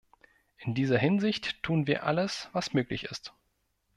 In dieser Hinsicht tun wir alles, was möglich ist.